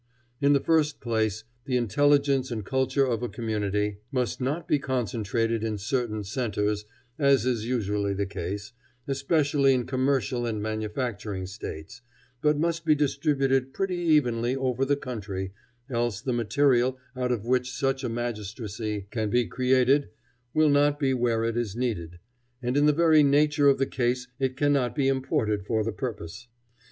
In the first place, the intelligence and culture of a community must not be concentrated in certain centres, as is usually the case, especially in commercial and manufacturing States, but must be distributed pretty evenly over the country, else the material out of which such a magistracy can be created will not be where it is needed; and in the very nature of the case it cannot be imported for the purpose.